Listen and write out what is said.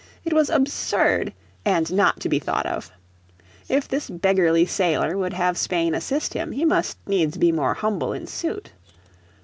It was absurd, and not to be thought of. If this beggarly sailor would have Spain assist him he must needs be more humble in suit.